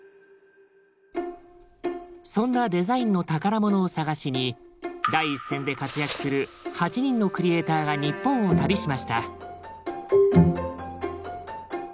そんなデザインの宝物を探しに第一線で活躍する８人のクリエーターが日本を旅しました。